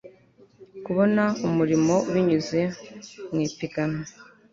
kubona umurimo binyuze mu ipiganwa